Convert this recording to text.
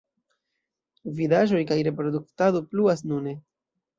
Vidaĵoj kaj reproduktado pluas nune.